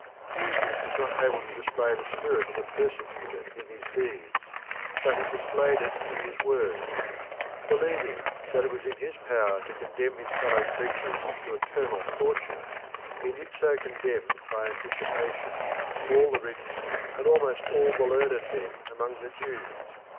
Jesus was not able to display the spirit of a persecutor in his deeds, but he displayed it in his words. Believing that it was in his power to condemn his fellow creatures to eternal torture, he did so condemn by anticipation all the rich and almost all the learned men among the Jews.